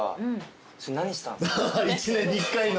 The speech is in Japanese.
１年に１回の。